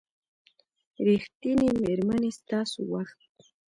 ریښتینې میرمنې ستاسو وخت